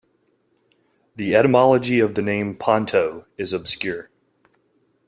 The etymology of the name Ponto is obscure.